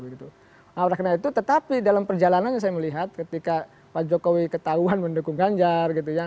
nah oleh karena itu tetapi dalam perjalanannya saya melihat ketika pak jokowi ketahuan mendukung ganjar gitu ya